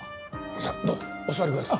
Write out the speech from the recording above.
さあどうぞお座りください。